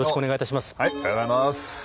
おはようございます。